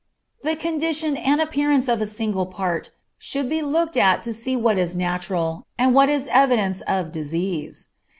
The condition and appearance of a single part should be looked at to see what is natural, and what is evidence of disease.